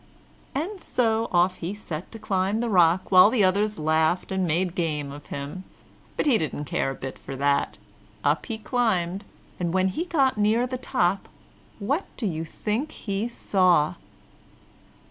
And so off he set to climb the rock, while the others laughed and made game of him. But he didn't care a bit for that; up he climbed, and when he got near the top, what do you think he saw?